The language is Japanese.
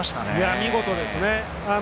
見事ですね。